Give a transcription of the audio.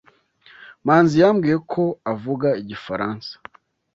Manzi yambwiye ko avuga igifaransa.